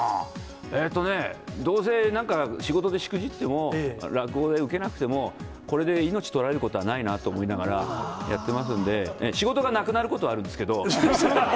えーとね、どうせなんか仕事でしくじっても、落語で受けなくても、これで命取られることはないなと思いながらやってますんで、仕事がなくなることはあるんですけど。